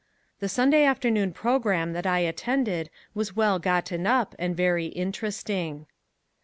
The Sunday afternoon program that I attended was well gotten up and very interesting.